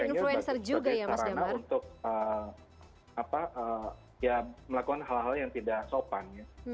dan memakainya sebagai sarana untuk melakukan hal hal yang tidak sopan